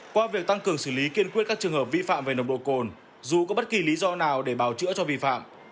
qua việc tăng cường xử lý kiên quyết các trường hợp vi phạm về nồng độ cồn dù có bất kỳ lý do nào để bào chữa cho vi phạm